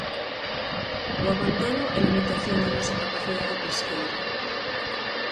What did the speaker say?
O abandono e limitación da nosa capacidade pesqueira.